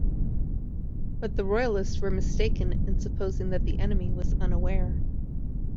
But the Royalists were mistaken in supposing that the enemy was unaware.